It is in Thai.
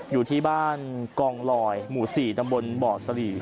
อยู่ที่บ้านกองรอยหมู่๔ดำบลบศ